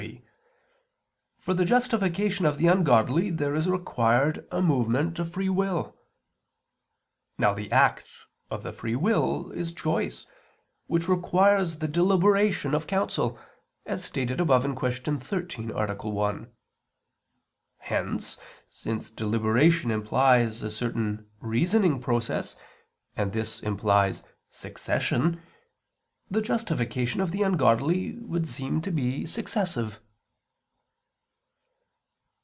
3), for the justification of the ungodly, there is required a movement of free will. Now the act of the free will is choice, which requires the deliberation of counsel, as stated above (Q. 13, A. 1). Hence, since deliberation implies a certain reasoning process, and this implies succession, the justification of the ungodly would seem to be successive.